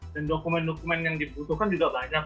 dan dokumen dokumen yang dibutuhkan juga banyak